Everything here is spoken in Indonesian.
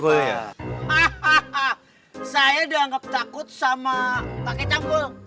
hahaha saya dianggap takut sama pakai canggul